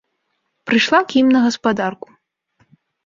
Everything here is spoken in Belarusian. Прыйшла к ім на гаспадарку.